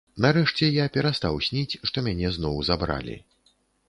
Нарэшце я перастаў сніць, што мяне зноў забралі.